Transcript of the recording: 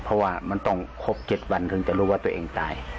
เพราะว่ามันต้องครบ๗วันถึงจะรู้ว่าตัวเองตาย